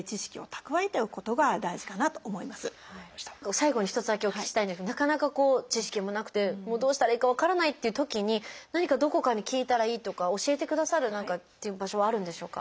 最後に一つだけお聞きしたいんですけどなかなかこう知識もなくてもうどうしたらいいか分からないっていうときに何かどこかに聞いたらいいとか教えてくださるっていう場所はあるんでしょうか？